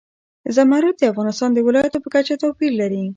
زمرد د افغانستان د ولایاتو په کچه توپیر لري.